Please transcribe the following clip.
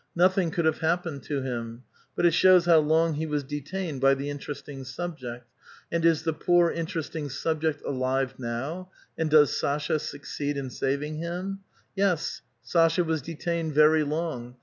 Nothing could have hap pened to him ; but it shows how long he was detained by the interesting subject, and is the poor interesting subject alive now, and does Sasha succeed in saving him? Yes, Sasha was detained very long.